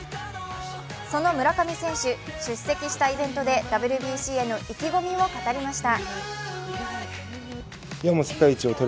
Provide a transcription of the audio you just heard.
その村上選手、出席したイベントでＷＢＣへの意気込みを語りました。